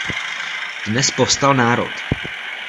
Dnes povstal národ.